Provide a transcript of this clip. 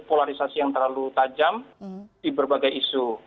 polarisasi yang terlalu tajam di berbagai isu